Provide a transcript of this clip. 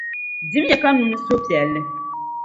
Dim ya ka nyu ni suhupiɛlli.